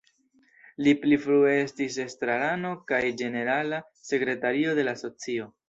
Li pli frue estis estrarano kaj ĝenerala sekretario de la asocio.